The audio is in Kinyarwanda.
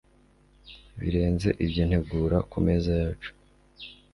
birenze ibyo ntegura ku meza yacu